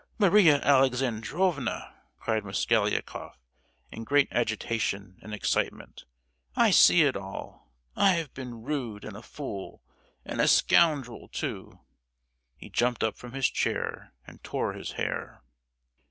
" "Maria Alexandrovna!" cried Mosgliakoff, in great agitation and excitement, "I see it all! I have been rude, and a fool, and a scoundrel too!" He jumped up from his chair and tore his hair.